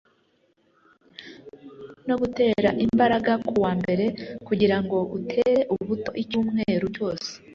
no kugutera imbaraga kuwa mbere kugirango utere buto icyumweru cyose.